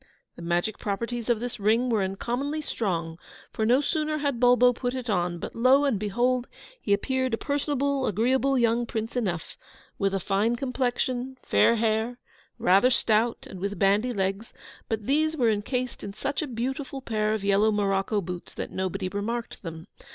The magic properties of this ring were uncommonly strong, for no sooner had Bulbo put it on, but lo and behold, he appeared a personable, agreeable young Prince enough with a fine complexion, fair hair, rather stout, and with bandy legs; but these were encased in such a beautiful pair of yellow morocco boots that nobody remarked them.